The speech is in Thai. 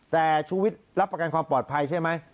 แต่ชูวิทย์รับประกันความปลอดภัยใช่ไหม